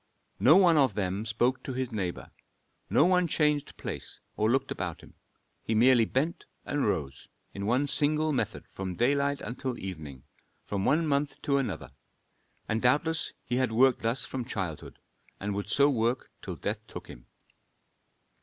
No one of them spoke to his neighbor, no man changed place or looked about him; he merely bent and rose in one single method from daylight until evening, from one month to another, and doubtless he had worked thus from childhood and would so work till death took him.